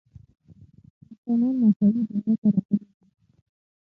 انسانان مساوي دنیا ته راغلي دي.